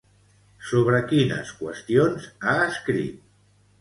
Sobre quines qüestions ha escrit?